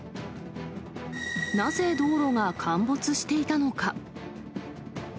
なぜ道路が陥没していたのか。